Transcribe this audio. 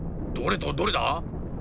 どれとどれだ？